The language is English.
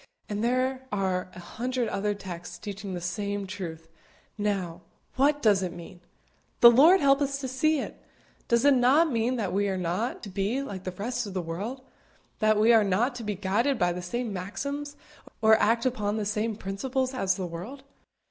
and there are a hundred other texts teaching the same truth. Now, what does it mean? The Lord help us to see it! Does it not mean that we are not to be like the rest of the world? that we are not to be guided by the same maxims, or act upon the same principles as the world?